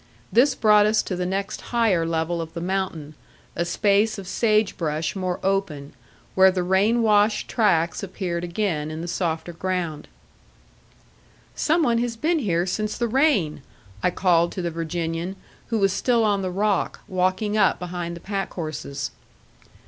This brought us to the next higher level of the mountain, a space of sagebrush more open, where the rain washed tracks appeared again in the softer ground. "Some one has been here since the rain," I called to the Virginian, who was still on the rock, walking up behind the packhorses.